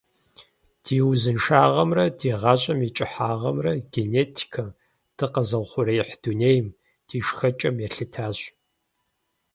Ди узыншагъэмрэ ди гъащӀэм и кӀыхьагъымрэ генетикэм, дыкъэзыухъуреихь дунейм, ди шхэкӀэм елъытащ.